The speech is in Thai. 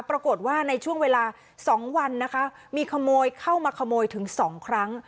ปรากฏว่าในช่วงเวลา๒วันนะคะมีขโมยเข้ามาขโมยถึง๒ครั้ง